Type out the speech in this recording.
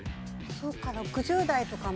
そうか。